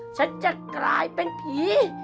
ฉันจะกลายเป็นผี